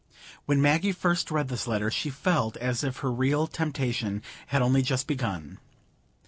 When Maggie first read this letter she felt as if her real temptation had only just begun.